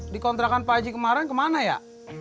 dikontrakan pak haji kemarin kemana ya